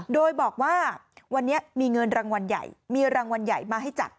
โดยบอกว่าวันนี้มีเงินรางวัลใหญ่มีรางวัลใหญ่มาให้จัด